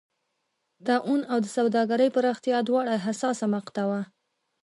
طاعون او د سوداګرۍ پراختیا دواړه حساسه مقطعه وه.